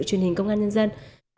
truyền hình công an nhân dân